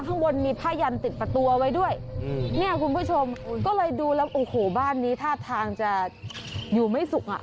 ข้างบนมีผ้ายันติดประตูเอาไว้ด้วยเนี่ยคุณผู้ชมก็เลยดูแล้วโอ้โหบ้านนี้ท่าทางจะอยู่ไม่สุขอ่ะ